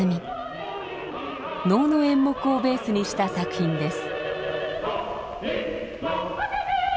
能の演目をベースにした作品です。